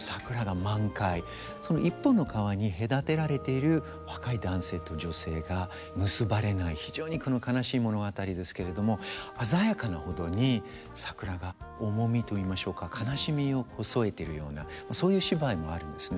その一本の川に隔てられている若い男性と女性が結ばれない非常に悲しい物語ですけれども鮮やかなほどに桜が重みといいましょうか悲しみを添えてるようなそういう芝居もあるんですね。